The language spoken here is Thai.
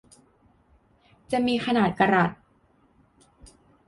จะมีขนาดกะรัต